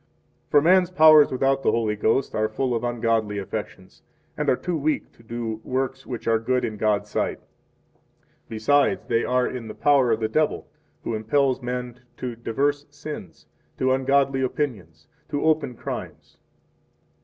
31 For man's powers without the Holy Ghost are full of ungodly affections, and are too weak to do works which are good in God's sight. 32 Besides, they are in the power of the devil who impels men to divers sins, 33 to ungodly opinions, to open crimes.